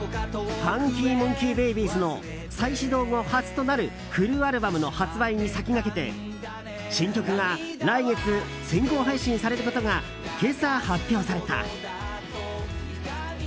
ＦＵＮＫＹＭＯＮＫＥＹＢΛＢＹ’Ｓの再始動後初となるフルアルバムの発売に先駆けて新曲が来月、先行配信されることが今朝発表された。